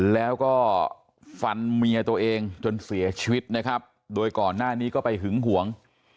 แล้วก็ฟันเมียตัวเองจนเสียชีวิตนะครับโดยก่อนหน้านี้ก็ไปหึงหวง